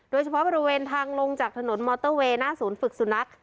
โดยเฉพาะบริเวณทางลงจากถนนมอเตอร์เวย์หน้าศูนย์ฝึกสุนัข